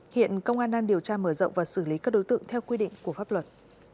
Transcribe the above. hiện công an đang điều tra mở rộng và xử lý các đối tượng theo quy định của pháp luật